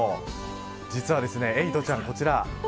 実は、エイトちゃんこちら。